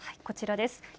こちらです。